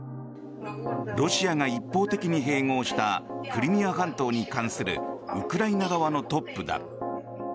ロシアが一方的に併合したクリミア半島に関するウクライナ側のトップだ。